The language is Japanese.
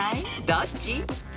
どっち？］